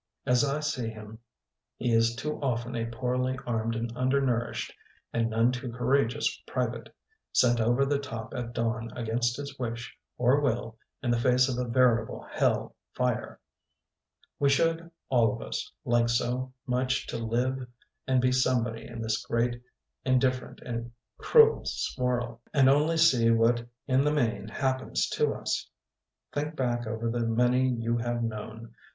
As I see him he is too often a poorly armed and undernourished, and none too courageous private, sent over the top at dawn against his wish or will in the face of a veritable hell fire. We should, all of us, like so much to live and be somebody in this great, indifferent, cruel swirl. And only see what in the main happens to us. Think back over the many you have known.